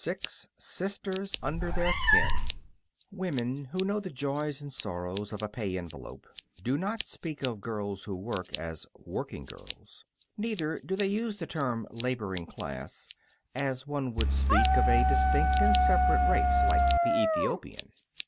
VI SISTERS UNDER THEIR SKIN Women who know the joys and sorrows of a pay envelope do not speak of girls who work as Working Girls. Neither do they use the term Laboring Class, as one would speak of a distinct and separate race, like the Ethiopian.